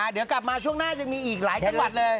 เดี๋ยวกลับมาช่วงหน้ายังมีอีกหลายจังหวัดเลย